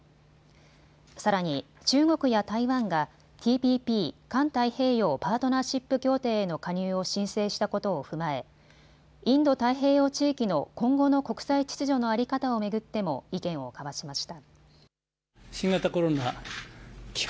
さらに中国や台湾がＴＰＰ・環太平洋パートナーシップ協定への加入を申請したことを踏まえインド太平洋地域の今後の国際秩序の在り方を巡っても意見を交わしました。